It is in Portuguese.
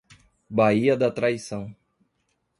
Baía da Traição